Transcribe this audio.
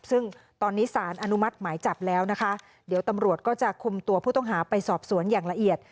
ซึ่งตอนนี้สารอนุมัติหมายจับแล้วนะคะเดี๋ยวตำรวจก็จะคุมตัวผู้ต้องหาไปสอบสวนอย่างละเอียด